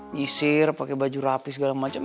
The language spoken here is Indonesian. ngisir pake baju rapih segala macem